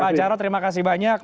pak jarod terima kasih banyak